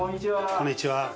こんにちは。